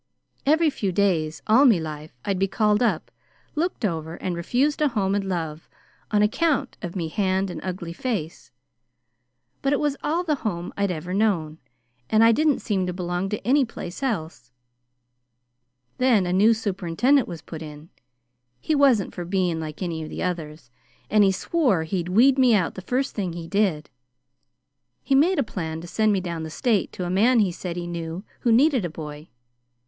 "Every few days, all me life, I'd to be called up, looked over, and refused a home and love, on account of me hand and ugly face; but it was all the home I'd ever known, and I didn't seem to belong to any place else. "Then a new superintendent was put in. He wasn't for being like any of the others, and he swore he'd weed me out the first thing he did. He made a plan to send me down the State to a man he said he knew who needed a boy.